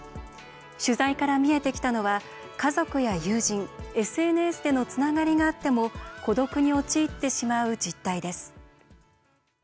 取材から見えてきたのは家族や友人、ＳＮＳでのつながりがあっても孤独に陥ってしまう実態です。